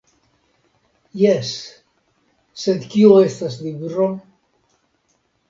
Jes, sed kio estas libro?